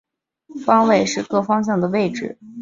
方位是各方向的位置。